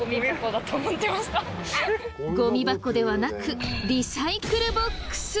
ゴミ箱ではなくリサイクルボックス。